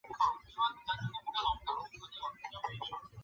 从文化和旅游部获悉